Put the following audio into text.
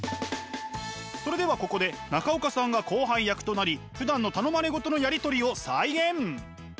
それではここで中岡さんが後輩役となりふだんの頼まれ事のやり取りを再現！